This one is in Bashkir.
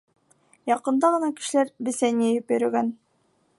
Яҡында ғына кешеләр бесән йыйып йөрөгән.